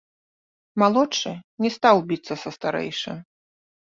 Малодшы не стаў біцца са старэйшым.